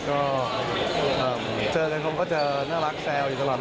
ก็เจอกันเขาก็จะน่ารักแซวอยู่ตลอด